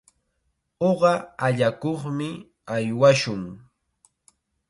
Uqa allakuqmi aywashun.